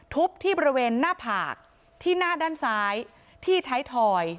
ที่บริเวณหน้าผากที่หน้าด้านซ้ายที่ท้ายถอย